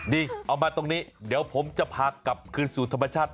เอามาตรงนี้เดี๋ยวผมจะพากลับคืนสู่ธรรมชาติ